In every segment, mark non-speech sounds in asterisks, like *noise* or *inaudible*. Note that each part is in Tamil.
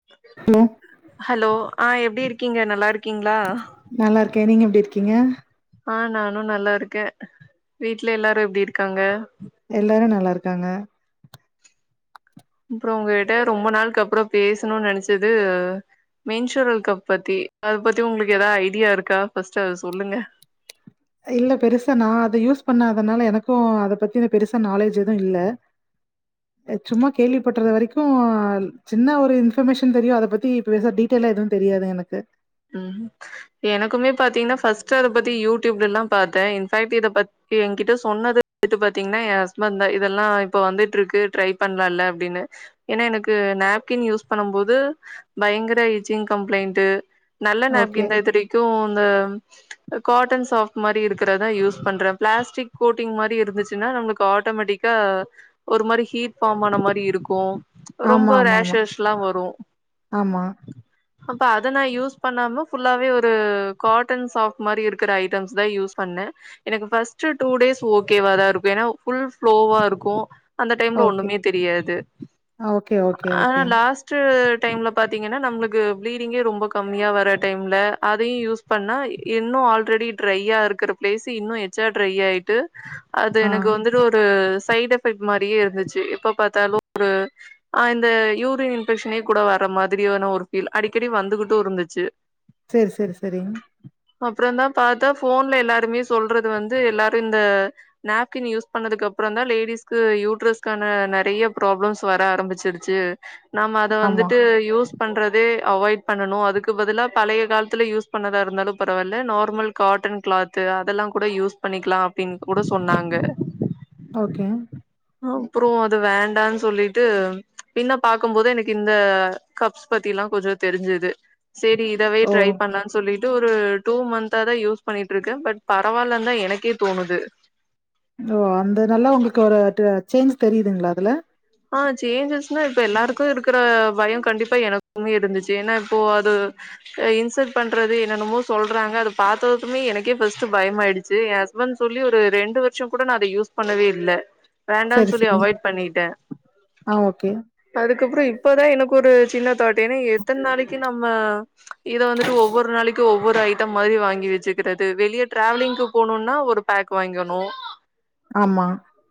*inaudible* ஹலோ ஹலோ ஆ எப்டி இருக்கீங்க நல்லா இருக்கீங்ளா நல்லார்க்கே நீங்க எப்டி இருக்கீங்க ஆ நானு நல்லா இருக்கே வீட்ல எல்லாரு எப்டி இருக்காங்க எல்லாரு நல்லா இருக்காங்க அப்றோ ஒங்ககிட்ட ரொம்ப நாள்க்கு அப்றோ பேசணுன்னு நெனச்சது மென் சுரல் கப் பத்தி அத பத்தி உங்களுக்கு எதா ஐடியா இருக்கா ஃபர்ஸ்ட்டு அத சொல்லுங்க இல்ல பெருசா நா அத யூஸ் பண்ணாதனால எனக்கும் அத பத்தி பெருசா நாலேஜ் எதும் இல்ல *inaudible* சும்மா கேள்வி பட்றத வரைக்கு சின்ன ஒரு இன்பர்மேஷன் தெரியு அத பத்தி பெருசா டீப் த்தில எதுவு தெரியாது எனக்கு ம் எனக்குமே பாத்தீங்கன்னா ஃபஸ்ட் அத பத்தி யூடியூப்லலா பாத்தே இன்ஃபேக்ட் இத பத் என்கிட்ட சொன்னது வந்துட்டு பாத்தீங்கன்னா ஏ ஹஸ்பண்ட் தா இதெல்லா இப்ப வந்துட்டு இருக்கு ட்ரை பண்லா இல்ல அப்டின்னு ஏன்னா எனக்கு நாப்கின் யூஸ் பண்ணும் போது பயங்கர இச்சிங் கம்ப்ளைன்ட்டு நல்ல ஓகே. நாப்கின் தா இதுவரைக்கு இந்த காட்டன் சாஃப்ட் மாரி இருக்கறதா யூஸ் பண்ற பிளாஸ்டிக் கோட்டிங் மாரி இருந்துச்சுன்னா நம்மளுக்கு ஆட்டோமேட்டிக் க ஒரு மாரி ஹீட் ஃபார்ம் ஆன மாரி இருக்கு ஆமா, ரொம்ப ஆமா, ஆமா. ரேஷஸ்லா வரு ஆமா. அப்ப அத நா யூஸ் பண்ணாம ஃபுல்லாவே ஒரு காட்டன் சாப் மாரி இருக்கற ஐட்டம்ஸ் தா யூஸ் பண்ண எனக்கு ஃபஸ்ட் டூ டேஸ் ஓகேவாதான் இருக்கும் ஏன்னா ஃபுல் ஃபுளோவா இருக்கும் அந்த டைம்ல ஓகே. ஒண்ணுமே தெரியாது ஓகே, ஓகே, அனா ஓகே. லாஸ் ற்று டைம்ல பாத்திங்கன்னா நம்மளுக்கு பிளீடிங்கே ரொம்ப கம் கம்மியா வர டைம்ல அதையு யூஸ் பண்ணா இன்னு ஆல்ரெடி ட்ரையா இருக்கறப் பிளேசி இன்னு எச்சா ட்ரை ஆயிட்டு அது ஆ. எனக்கு வந்து வெரு சைட் எஃபெக்ட் மாரியே இருந்துச்சு எப்ப பாத்தாலு ஒரு ஆ இந்த யூரின் இன்பெக்ஷனே கூட வர மாதிரியான ஒரு ஃபீல் அடிக்கடி வந்து ட்டு இருந்துச்சு சேர் சேர் செரிங்க அப்பறோ தா பாத்தா போன்ல எல்லாருமே சொல்றது வந்து எல்லாரு இந்த நாப்கின் யூஸ் பண்ணதுக்கப்பறந்தா லேடிஸ்கு யூட்ரஸ்க்கான நறைய ப்ராப்ளம்ஸ் வர ஆரம்பிச்சிடு ச்சு நாம அத ஆமா. வந்துட்டு யூஸ் பண்றதே அவாய்ட் பண்ணனு அதுக்கு பதிலா பழைய கால்த்துல யூஸ் பண்ணதா இருந்தாலு பரவால்ல நார்மல் காட்டன் கிளாத் கு அதல்லா கூட யூஸ் பண்ணிக்கலா அப்டின் கூட சொன்னாங்க ஓகே அப்புறம் அது வேண்டான்னு சொல்லிட்டு பின்ன பாக்கும்போது எனக்கு இந்த கப்ஸ் பத்திலா கொஞ்சோ தெரிஞ்சீது சேரி இதவே ஓ! ட்ரை பண்லான் சொல்லீட் டூரு டூ மன்த்தா தா யூஸ் பண்ணிட்ருக்கே பட் பரவால்லன்தா எனக்கே தோணுது ஓ அந்த நல்லா உங்களுக்கு ஒரு ட்ர சேஞ்ச் தெரியிதுங்களா அதுல ஆ சேஞ்சஸ்னா இப்ப எல்லாருக்கு இருக் *unintelligible* பயோ கண்டிப்பா எனக்குமே இருந்துச்சி ஏன்னா இப்போ அது இன்சல்ட் பண்றது என்னென்னமோ சொல்றாங்க அதை பாத்ததுமே எனக்கே ஃபஸ்ட் பயமா ஆயிடுச்சு பண்ட் சொல்லி ஒரு ரெண்டு வருஷோ கூட நா அத யூஸ் பண்ணவே இல்ல வேண்டான் சரி, சொல்லி சரி. அவாய்ட் பண்ணீட்ட ஆ ஓகே அதுக்கப்பறோ இப்பதா எனக்கு ஒரு சின்ன தாட் ஏன்னா எத்தன் நாளைக்கு நம்ம இத வந்துட்டு ஒவ்வொரு நாளைக்கு ஒவ் ஒரு ஐட்டம் மாதிரி வாங்கி வச்சுக்கிறது வெளியே டிராவலிங்கு போணும்னா ஒரு பேக் வாங்கணும் ஆமா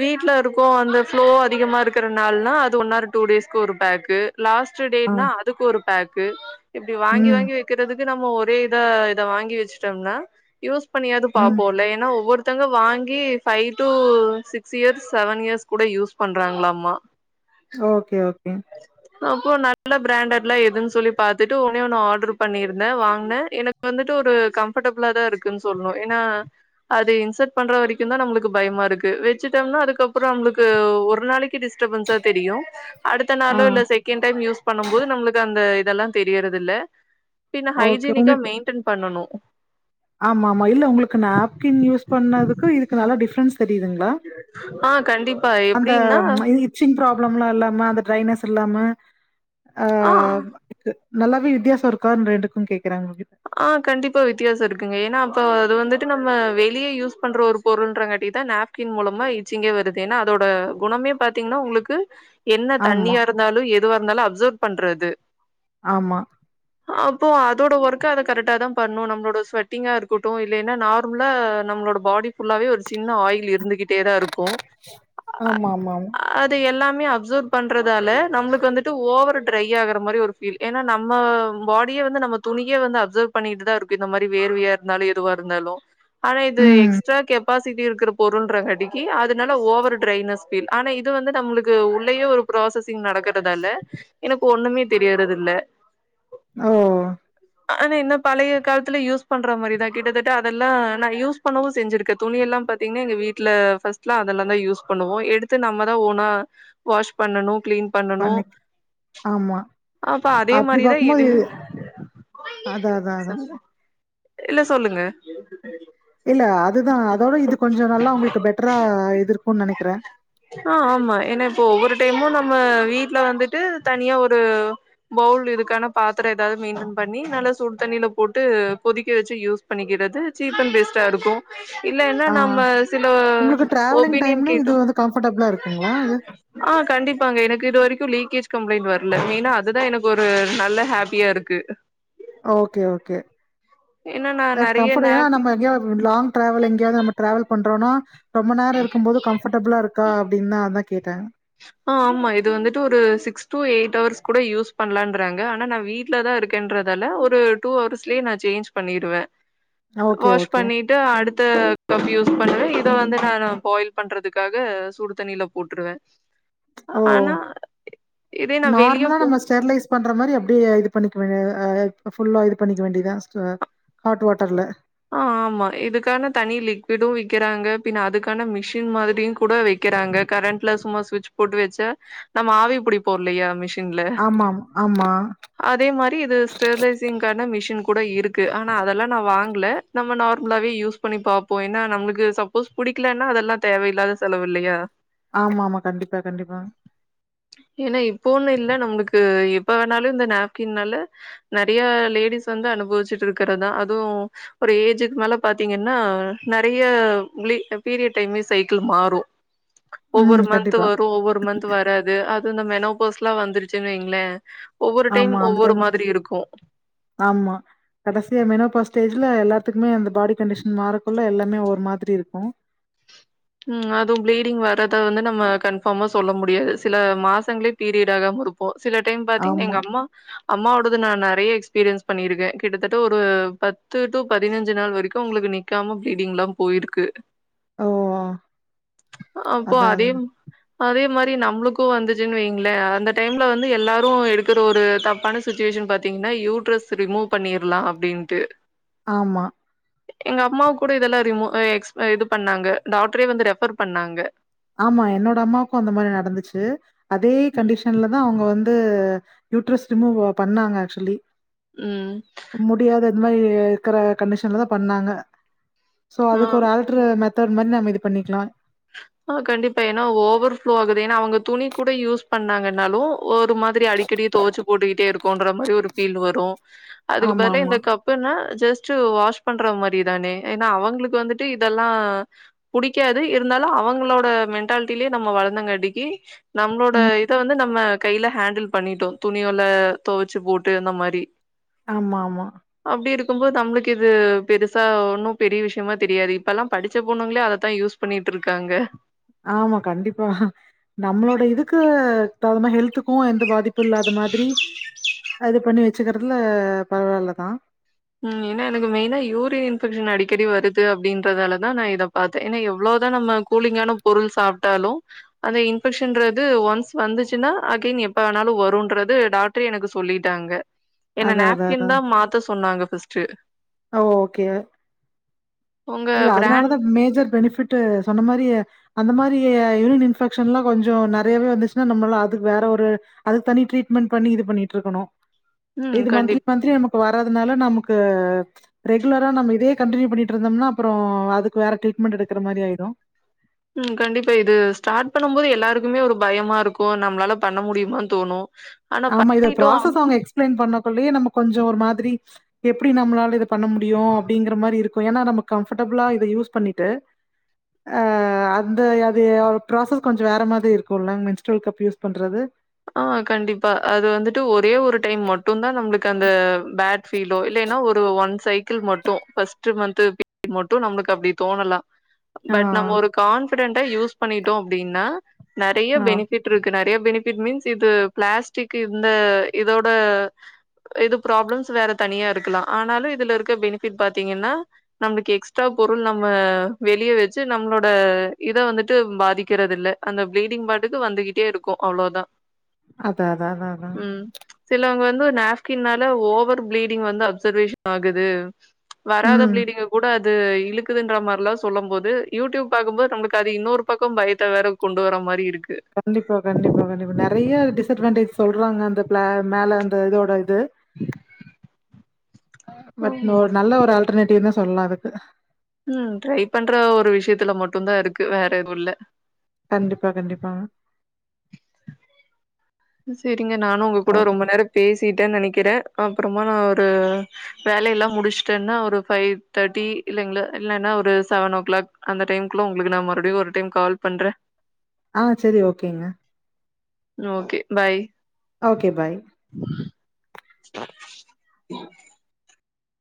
வீட்ல இருக்கோ அந்த ஃப்ளோ அதிகமா இருக்கறனாள்னா அது ஒன் ஆர் டூ டேஸ்க்கு ஒரு பேக்கு லாஸ்ட்டு ஆ. டேட்னா அதுக்கு ஒரு பேக்கு இப்டி வாங்கி ம். வாங்கி வெக்கறதுக் *unintelligible* நம்ம ஒரே இதா இத வாங்கி வெச்ட்டம்ன்னா யூஸ் பண்ணியாது ம். பாப்போல்ல ஏன்னா ஒவ்வொரு த்தங்க வாங்கி five two six years seven years கூட யூஸ் பண்றாங்ளாம் மா ஓகே ஓகே அப்போ நல்ல பிராண்டட்லா எதுன் சொல்லி பாத்துட்டு ஒன்னே ஒன்னு ஆடர் பண்ணிருந்த வாங்னே எனக் வந்துட்டு ஒரு கம்ஃபர்டபிள்ளாதான் இருக்குன்னு சொல்லணும் ஏன்னா அது இன்சர்ட் பண்ற வரைக்குந்தா நம்மளுக்கு பயமா இருக்கு வெச்சுட்டம்ன்னா அதுக்கப்பறோ நம்மளுக்கு ஒரு நாளைக்கு டிஸ் டிஸ்டபன்ஸா தெரியு அடுத்த நாளு ஆ. இல்ல செகண்ட் டைம் யூஸ் பண்ணும் போது நம்மளுக்கு அந்த இதல்லா தெரியறது இல்ல பின்ன ஓகே. ஹைஜீனிக்கா மெயிடென் பண்ணனு ஆமா ஆமா இல்ல உங்களுக்கு நாப்கின் யூஸ் பண்ணதுக்கு இதுக்கு நல்ல டிஃப்ரென்ஸ் தெரியுதுங்ளா ஆ கண்டிப்பா அந்த எப்டின்னா மயி ச்சிங் ப்ராப்ளம்லா இல்லாம அந்த ட்ரைனஸ் இல்லாம அ ஆ க்கு நல்லாவே வித்தியாச இருக்கானு ரெண்டுக்கு கேக்குற உங்ககிட்ட ஆ கண்டிப்பா வித்தியாச இருக்குங்க ஏன்னா அப்போ அது வந்துட்டு நம்ம வெளிய யூஸ் பண்ற ஒரு பொருள்ன்றகாட்டியு தா நெப் கின் மூலமா இச்சிங்கே வருது ஏன்னா அதோட குணமே பாத்தீங்னா உங்ளுக்கு என்ன ஆமா, தண்ணியா இருந்தாலு எதுவா இருந்தாலு அப்சர்வ் பண்றது ஆமா அப்போ அதோட ஒர்க் க்கு அத கரெக்டா தா பண்ணோ நம்ளோட ஸ்வெடிங்கா இருக்கட்டு இல்லைனா நார்மலா நம்ளோட பாடி ஃபுல்லாவே ஒரு சின்ன ஆயில் இருந்துகிட்டேதா இருக் ஆமாம்மாம்மா அது எல்லாமே அப்சர்வ் பண்றதால நம்மளுக்கு வந்துட்டு ஓவர் ட்ரை ஆகுற மாரி ஒரு ஃபீ ஃபீல் ஏனா நம்ம பாடியே வந்து நம்ம துணி மே வந்து அப்சர்வ் பண்ணிட்டு தா இருக்கு இந்த மாரி வேர்வயா இருந்தாலு எதுவா இருந்தாலு ஆனா இது ம். எக்ஸ்ட்ரா கெப் ப்பாசிட்டி இருக்கிற பொருள்ன்ற காடிக்கி அதனால ஓவர் ட்ரைனஸ் ஃபீல் ஆனா இது வந்து நம்மளுக்கு உள்ளேயே ஒரு ப்ராசஸிங் நடக்குறதால எனக்கு ஒன்னுமே தெரியறதில்ல ஓ ஆனா என்ன பழைய காலத்துல யூஸ் பண்ற மாரிதா கிட்டத்தட்ட அதெல்லா நா யூஸ் பண்ணவு செஞ்சிருக்கே துணியெல்லா பாத் பதீங்னா எங்க வீட்ல ஃபஸ்ட்லா அதெல்லாந்தா யூஸ் பண்ணுவோ எடுத்து நம்மதா ஓனா வாஷ் பண்ணனு கிளீன் பண்ணணு பண்ணிக் ஆமா. அப்ப அதே அப்படி மாரிதா பார்க்கும்போது இதயு அதான், அதான், அதான். இல்ல சொல்லுங்க இல்ல அதுதா அதோட இது கொஞ்ச நல்லா அவ்ங்களுக்கு பெட்ரா இது இருக்குன் நெனைக்கிறே ஆ ஆமா ஏனா இப்போ ஒவ்வொரு டைமு நம்ம வீட்ல வந்துட்டு தனியா ஒரு பவுல் இதுக்கான பாத்தர எதாவ்து மெய்டன் பண்ணி நல்லா சுடுத் தண்ணில போட்டு கொதிக்க வெச்சு யூஸ் பண்ணிக்கிறது சீப் அண்ட் பேஸ்ட்டா இருக்கு இல்லனா ஆ நம்ம சில உங்களுக்கு ட்ராவலிங் ஒபீனியன் டைம்ல இது கேட்டோ வந்து கம்ஃபர்டபுளா இருக்குங்களா இது? ஆ கண்டிப்பாங்க எனக்கு இது வரைக்கு லீக்கேஜ் கம்ப்ளைண்ட் வர்ல மெயினா அதுதா எனக்கு ஒரு நல்ல ஹாப்பியா இருக்கு ஓகே ஓகே ஏன்னா நா அ நெறைய கம்ஃபர்ட ஏனா நாப்கின் நம்ம எங்கயாவ்து லாங் டிராவல் எங்கேயாது நம்ம டிராவல் பண்றோனா ரொம்ப நேர இருக்கும்போது கம்ஃபர்ட்டபுளா இருக்கா அப்டின் நா அதா கேட்டே ஆ ஆமா இது வந்துட்டு ஒரு சிக்ஸ் டு எயிட் ஹவர்ஸ் கூட யூஸ் பண்லாங்கிறாங்க ஆனா நா வீட் ட்லதா இருக்கேன்றதால ஒரு டூ ஹவர்ஸ்லே ந சேஞ் பண்ணிருவே ஓகே, வாஷ் ஓகே. பண்ணிட் ட்டு அடுத்த கப் யூஸ் பண்ணுவே இத வந்து நானு பாயில் பண்றதுக்காக சுடுத்தண்ணில போட்ருவே ஓ ஆனா இதே நா வெளிய நார்மலா போ நம்ம ஸ்டெர்லைஸ் பண்ற மாரி அப்டியே இது பண்ணிக்க வேண்டிய அ ஃபுல்லா இது பண்ணிக்க வேண்டியதுதா சிஸ்டர் ஹாட் வாட்டர்ல ஆ ஆமா இதுக்கான தனி லிக்விடு விக்கிறாங்க பின்ன அதுக்கான மிஷின் மாதிரியு கூட வெக் க்கிறாங்க கரண்ட்ல சும்மா சுவிட்ச் போட்டு வெச்ச நம்ம ஆவி புடிப்போ இல்லயா மிஷின் ஆமாம் ஆமா அதே மாரி இது ஸ்டெர்லைசிங்கான மிஷின் கூட இருக்கு ஆனா அதெல்லா நா வாங்ல நம்ம நார்மலாவே யூஸ் பண்ணி பாப்போ ஏனா நம்மளுக்கு சப்போஸ் புடிக்கலனா அதெல்லா தேவையில்லாத செலவு இல்லயா ஆமாம்மா கண்டிப்பா கண்டிப்பாங்க ஏனா இப்போன்னு இல்ல நம்மளுக்கு எப்ப வேணாலு இந்த நாப்கின்னால நெறையா லேடீஸ் வந்து அனுபவிச்சுட்ருக்குறதுதா அதுவு ஒரு ஏஜுக்கு மேல பாத்தீங்கனா நெறைய பிளி அ பீரியட் டைமே சைக்கிள் மாறு ம். ஒவ்வொரு மந்த்து கண்டிப்பா. வரு ஒவ்வொரு மந்த்து வராது அது இந்த மெனோபோர்ஸ்லா வந்துருச்சுனு வைங்ளே ஆமா அந்த டைம் ஆமா கடசியா மெனோபா ஸ்டேஜ்ல எல்லாத்துக்குமே அந்த பாடி கண்டிஷன் மாறக்குள்ள எல்லாமே ஒரு மாதிரி இருக்கு ம் அதுவு ப்ளீடிங் வர்றத வந்து நம்ம கன்ஃபார்மா சொல்ல முடியாது சில மாசங்களே பீரியட் ஆகம இருப் ப்போ சில டைம் பாத்தீங்கனா ஆமா. எங்க அம்மா அம்மாவோடது நா நெறைய எக்ஸ்பீரியன்ஸ் பண்ணிருக்கே கிட்டத்தட்ட ஒரு பத்து டூ பதினஞ்சு நாள் வரைக்கு அவ்ங்களுக்கு நிக் க்காம பிளீடிங்லா போயிருக்கு ஓ அப்போ அதயு அதான். அதே மாரி நம்மளுக்கு வந்துச்சுன்னு வையிங்களே அந்த டைம்ல வந்து எல்லாரு எடுக்ற ஒரு தப்பான சுச்சுவேஷன் பாத்தீங்கன்னா யூட்ரஸ் ரிமூவ் பண்ணிடலா அப்டின்ட்டு ஆமா எங்க அம்மா கூட இதெல்லா ரிமூவ் எக்ஸ் இது பண்ணாங்க டாக்டரே வந்து ரெஃபர் பண்ணாங்க ஆமா என்னோட அம்மாவுக்கு அந்த மாரி நடந்துச்சி அதே ம். கண்டிஷன் ல்லதா அவங்க வந்து யூட்ரஸ் ரிமூவ் பண்ணாங்க ஆக்சுவலி ம். முடியாது இந்த மாரி இருக்குற கண்டிஷன்லதா பண்ணாங்க சோ ஆ. அதுக்கு ஒரு ஆல்ட்ர் மெத்தட் மாரி நம் இது பண்ணிக்கலா ஆ கண்டிப்பா ஏன்னா ஓவர் ஃளோ ஆகுது ஏன்னா அவங்க துணி கூட யூஸ் பண்ணாங்கன்னாலு ஒரு மாதிரி அடிக்கடி தொவச்சி போட்டுக்கிட்டே இருக்கோன்ற மாரி ஒரு ஃபீல் வரு அதுக்கு பதிலா ஆமாமா. இந்த கப் இப்பனா ஜஸ்ட்ட் வாஷ் பண்ற மாரி தானே ஏன்னா அவங்களுக்கு வந்துட்டு இதெல்லா புடிக்காது இருந்தாலு அவங்க உங்களோட மென்டாலிட்டிலயே நம்ம வளர்ந்தங்காட்டிக்கி நம்மளோட ம். இத வந்து நம்ம கைல ஹேண்டில் பண்ணிட்டோ துணியோல துவச்சி போட்டு அந்த மாரி ஆமா ஆமா அப்டி இருக்கும்போது நம்மளுக்கு இது பெருசா ஒன்னு பெரிய விஷயமா தெரியாது இப்பல்லா படிச்ச போன்னுங்களே அதத்தா யூஸ் பண்ணிட்டு இருக்காங்க ஆமா கண்டிப்பா நம்மளோட இதுக்கு த ஹெல்த்துக்கு எந்த பாதிப்பு இல்லாத மாதிரி அது பண்ணி வச்சிக்கிறதுல பரவாயில்ல தா உம் ஏன்னா எனக்கு மெயினா யூரியன் இன்பெக்ஷன் அடிக்கடி வருது அப்டின்றதால தா நா இத பாத்தே ஏன்னா எவ்வளோதா நம்ம கூலிங்கான பொருள் சாப்ட்டாலு அந்த இன்ஃபெக்ஷன்றது ஒன்ஸ் வந்துச்சுன்னா அகைன் எப்ப வேனாலு வருன்றது டாக்டர் டரு எனக்கு சொல்லிட்டாங்க என்ன நாப்கின் தா மாத்த சொன்னாங்க ஃபர்ஸ்ட்டு ஓக்கே உங்க இல்ல அதனாலதா பிராண்ட் மேஜர் பெனிபிட்டு சொன்ன மாரி அந்த மாரி யூனின் இன்ஃபெக்ஷன் எல்லா கொஞ்சோ நெறையவே வந்துச்சுன்னா நம்மள்ள அதுக்கு வேற ஒரு அதுக்கு தனி ட்ரீட்மெண்ட் பண்ணி இது பண்ணிட்டு இருக்கணு ம் இது மந்திலி கண்டிப்பா மந்தலி நம் வரதுனால நமக்கு ரெகுலரா நம்ம இதே கண்டியூ பண்ணிட்டு இருந்தோம்னா அப்றோ அதுக்கு வேற ட்ரீட்மெண்ட் எடுக்கிற மாரி ஆயிடு உம் கண்டிப்பா இது ஸ்டார்ட் பண்ணு போது எல்லாருக்குமே ஒரு பயமா இருக்கு நம்மளால பண்ண முடியுமானு தோணு ஆனா ஆமா இத பண்ணிட்டோ ப்ராசஸ் அவங்க எக்ஸ்பிளைன் பண்ணக்குள்ளயே நம்ம கொஞ்சோ ஒரு மாதிரி எப்டி நம்மளால இத பண்ண முடியு அப்டிங்கிற மாரி இருக்கு ஏன்னா நம்ம கம்ஃபர்டேபிளா இத யூஸ் பண்ணிட்டு அ அந்த அது ப்ராசஸ் கொஞ்சோ வேற மாதிரி இருக்கும்ல மென்ஸ்டோல் கப் யூஸ் பண்றது ஆ கண்டிப்பா அது வந்துட்டு ஒரே ஒரு டைம் மட்டுந்தா நம்மளுக்கு அந்த பேட் பீலோ இல்லைன்னா ஒரு ஒன் சைக்கிள் மட்டு பஸ்ட் மந்த் பீல் மட்டு நம்மளுக்கு அப்டி தோணலா பட் ஆ. நம்ம ஒரு கான்பிடென்டா யூஸ் பண்ணிட்டோ அப்டின்னா நெறைய ஆ பெனிபிட் இருக்கு நெறைய பெனி இட் மீன்ஸ் இது பிளாஸ்டிக் இந்த இதோட இது ப்ராப்ளம்ஸ் வேற தனியா இருக்கலா ஆனாலு இதுல இருக்க பெனிபிட் பாத்தீங்கன்னா நம்மளுக்கு எக்ஸ்ட்ரா பொருள் நம்ம வெளிய வெச்சு நம்மளோட இத வந்துட்டு பாதிக்கறது இல்ல அந்த பிளீடிங் பாட்டுக்கு வந்துகிட்டே இருக்கு அவ்வளோதா அதா அதா அதா அதா சிலவங்க வந்து ஒரு நாப்கின்னால ஓவர் பீளீடிங் வந்து அப்சர்வேஷன் ஆகுது வராத ம் பீளீடிங்க கூட அது இழுக்குதுன்ற மாரிலா சொல்லம்போது யூடியூப் பாக்கம்போது நமக்கு அது இன்னொரு பக்கோ பயத்த வேற கொண்டு வர மாரி இருக்கு கண்டிப்பா கண்டிப்பா கண்டிப்பா நறைய டிஸ்அட்வான்டேஜ் சொல்றாங்க அந்த பிள மேல அந்த இதோட இது பட் ஆமா. இன்னோர் நல்ல ஒரு ஆல்டர்னேட்டிவ் ந்தா சொல்லா அதுக்கு ம் ட்ரை பண்ற ஒரு விஷயத்துல மட்டுந்தா இருக்கு வேற எதுல கண்டிப்பா கண்டிப்பா ம் சரிங்க நானு உங்க அ கூட ரொம்ப நேரோ பேசிட்டே நெனைக்கிறே அப்றமா நா ஒரு வேலையெல்லா முடிச்சட்டன்னா ஒரு பஃவ் தேர்ட்டி இல்லங்கள இல்லைன்னா ஒரு செவன் ஓ கிளாக் அந்த டைம் க்லா உங்ளுக்கு நா மறுபடியு ஒரு டைம் கால் பண்றே ஆ சரி ஓகேங்க ஓகே பாய் ஓகே பாய் உ